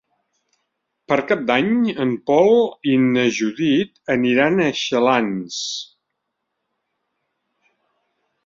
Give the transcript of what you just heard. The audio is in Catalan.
Per Cap d'Any en Pol i na Judit aniran a Xalans.